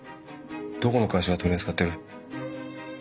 どこの会社が取り扱ってる？